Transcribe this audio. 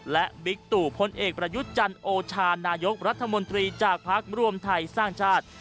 และบิ๊กตู่พลเอกประยุทธ์จันทร์โอชานายกรัฐมนตรีจากพักรวมไทยสร้างชาติ